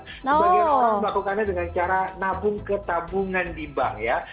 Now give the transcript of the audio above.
sebagian orang lakukannya dengan cara nabung ketabungan di bank